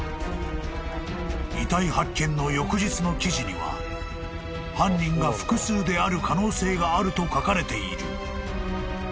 ［遺体発見の翌日の記事には犯人が複数である可能性があると書かれている］